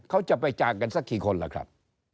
เขาจะไปจ่างกันสักกี่คนล่ะครับ